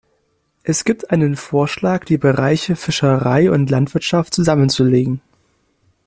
Es gibt einen Vorschlag, die Bereiche Fischerei und Landwirtschaft zusammenzulegen.